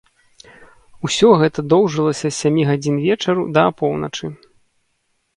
Усё гэта доўжылася з сямі гадзін вечару да апоўначы.